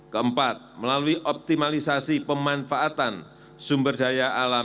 keempat melalui optimalisasi pemanfaatan sumber daya alam